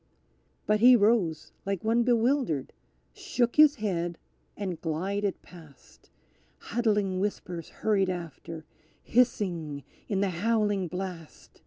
_" But he rose like one bewildered, shook his head and glided past; Huddling whispers hurried after, hissing in the howling blast!